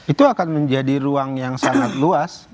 itu akan menjadi ruang yang sangat luas